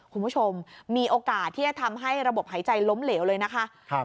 คุณผู้ชมมีโอกาสที่จะทำให้ระบบหายใจล้มเหลวเลยนะคะ